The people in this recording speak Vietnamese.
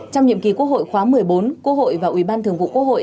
trong nhiệm kỳ quốc hội khóa một mươi bốn quốc hội và ủy ban thường vụ quốc hội